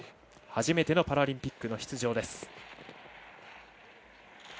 初めてのパラリンピックの出場。